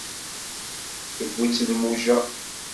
Tewwi-tt lmuja